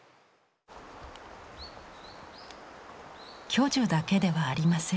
巨樹だけではありません。